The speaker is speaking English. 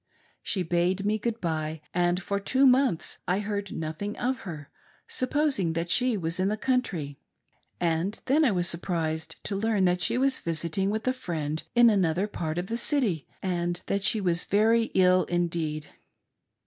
She bade me good bye, and for two months I heard nothing of her, supposing that she was in the country, and then I was surprised to learn that she was visiting with a friend in an other part of the city, and that she was very ill indeed.